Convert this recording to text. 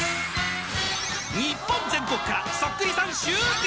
［日本全国からそっくりさん集結］